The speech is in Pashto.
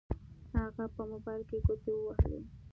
هغه په موبايل کې ګوتې ووهلې.